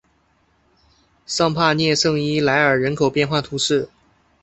尚帕涅圣伊莱尔人口变化图示